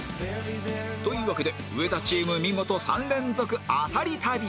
というわけで上田チーム見事３連続アタリ旅